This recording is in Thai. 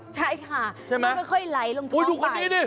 ใช่ค่ะไม่ค่อยไล่ลงท้องไป